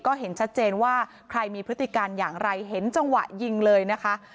ก็เห็นชัดเจนว่าใครมีพฤติการอย่างไรเห็นจังหวะยิงเลยนะคะ